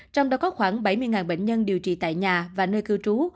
trong đó có khoảng bảy mươi bệnh nhân điều trị tại nhà và nơi cư trú